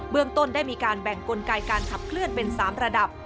เรื่องต้นได้มีการแบ่งกลไกการขับเคลื่อนเป็น๓ระดับ